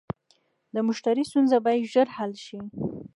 د مشتری ستونزه باید ژر حل شي.